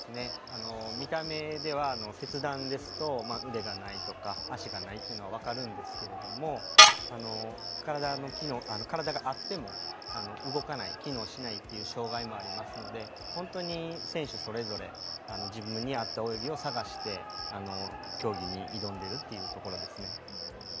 見た目では切断ですと腕がないとか脚がないというのは分かるんですけれども体があっても動かない、機能しないという障がいもありますので本当に選手それぞれ自分に合った泳ぎを探して競技に挑んでいるっていうところですね。